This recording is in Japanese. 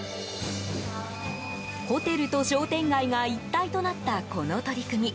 ホテルと商店街が一体となったこの取り組み。